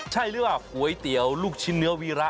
ใช่หรือว่าก๋วยเตี๋ยวลูกชิ้นเนื้อวีระ